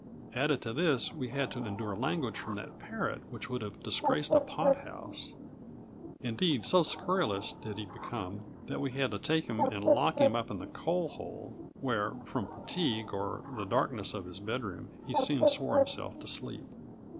Added to all this, we had to endure language from that parrot which would have disgraced a pothouse; indeed, so scurrilous did he become, that we had to take him and lock him up in the coal hole, where, from fatigue, or the darkness of his bedroom, he soon swore himself to sleep.